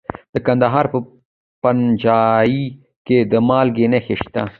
د کندهار په پنجوايي کې د مالګې نښې شته.